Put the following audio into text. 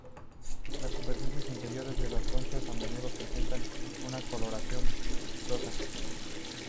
Las superficies interiores de las conchas a menudo presentan una coloración vistosa.